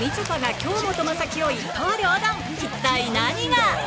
一体何が？